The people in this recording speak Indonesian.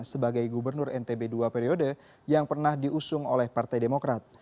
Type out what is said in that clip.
sebagai gubernur ntb dua periode yang pernah diusung oleh partai demokrat